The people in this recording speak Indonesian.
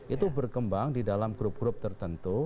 itu berkembang di dalam grup grup tertentu